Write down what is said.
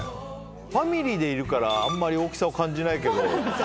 ファミリーでいるからあんまり大きさを感じないけど。